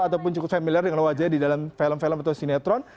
ataupun cukup familiar dengan wajahnya di dalam film film atau sinetron